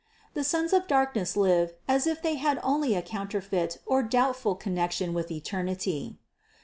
The sons of dark ness live as if they had only a counterfeit or doubtful connection with eternity, 688.